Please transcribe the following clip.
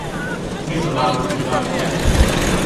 Mi tbaɛdeḍ, beɛdeɣ fell-am.